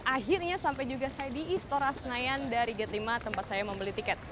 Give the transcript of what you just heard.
akhirnya sampai juga saya di istora senayan dari gate lima tempat saya membeli tiket